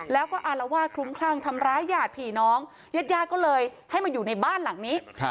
แล้วก็อารวาสคลุ้มคลั่งทำร้ายญาติผีน้องญาติญาติก็เลยให้มาอยู่ในบ้านหลังนี้